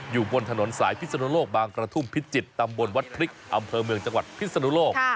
อยู่บนถนนสายพิศนุโลกบางกระทุ่มพิจิตรตำบลวัดพริกอำเภอเมืองจังหวัดพิศนุโลก